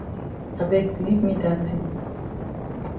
I beg leave me dat tin.